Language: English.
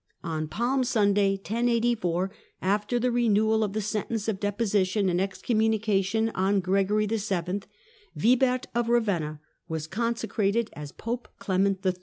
On Palm Sunday, 1084, after the renewal of the sentence of deposition and excommunication on Gregory YII., Wibert of Eavenna was consecrated as Pope Clement III.